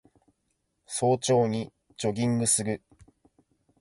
早朝にジョギングする